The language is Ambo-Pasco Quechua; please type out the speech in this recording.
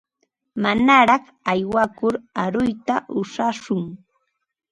Manaraq aywakur aruyta ushashun.